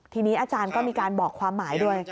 ทีนี้อาจารย์ก็มีการบอกความหมายด้วย